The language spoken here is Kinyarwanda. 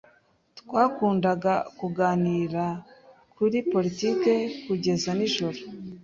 Twakundaga kuganira kuri politiki kugeza nijoro.